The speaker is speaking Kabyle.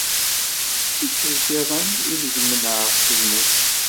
D tikelt-iḍen ideg menεeɣ si lmut.